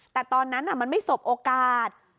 แต่ตอนนั้นมันไม่สบโอกาส